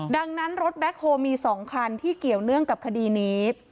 ดังนั้นรถแบ็คโฮมี๒คันที่เกี่ยวเนื่องกับคดีนี้